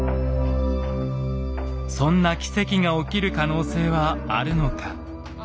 そんな奇跡が起きる可能性はあるのか。